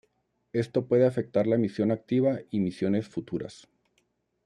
Esto puede afectar la misión activa y misiones futuras.